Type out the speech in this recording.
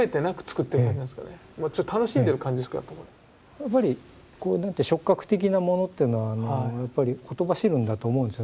やっぱり触覚的なものっていうのはやっぱりほとばしるんだと思うんです